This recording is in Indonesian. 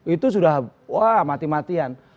itu sudah wah mati matian